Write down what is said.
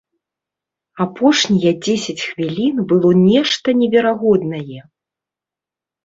Апошнія дзесяць хвілін было нешта неверагоднае.